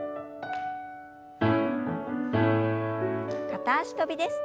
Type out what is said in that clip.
片脚跳びです。